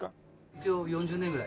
一応４０年ぐらい。